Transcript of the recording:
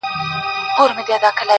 چي لیدلی مي په کومه ورځ کابل دی,